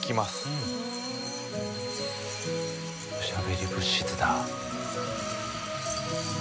おしゃべり物質だ。